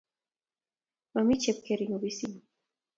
Mami Chepkering' opisit nyi.